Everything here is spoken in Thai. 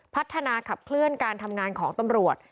พัฒนาขับเคลื่อนการทำงานของตำรวจ